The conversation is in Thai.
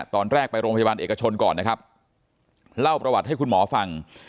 ตอนแรกไปโรงพยาบาลเอกชนก่อนนะครับเล่าประวัติให้คุณหมอฟัง